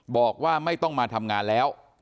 บอกว่าไม่ต้องมาทำงานแล้ว